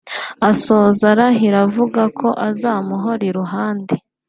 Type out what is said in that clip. Asoza arahira avuga ko azamuhora iruhande